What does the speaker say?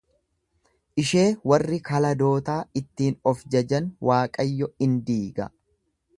Ishee warri Kaladootaa ittiin of jajan Waaqayyo in diiga.